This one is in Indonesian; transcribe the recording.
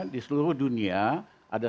di seluruh dunia ada